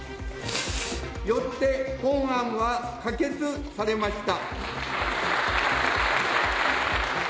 よって本案は可決されました。